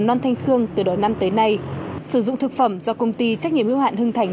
non thanh khương từ đầu năm tới nay sử dụng thực phẩm do công ty trách nhiệm yêu hạn hưng thành